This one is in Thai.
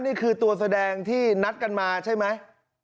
นี่คือตัวแสดงที่นัดกันมาใช่ไหม